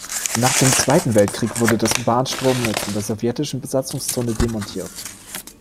Nach dem Zweiten Weltkrieg wurde das Bahnstromnetz in der Sowjetischen Besatzungszone demontiert.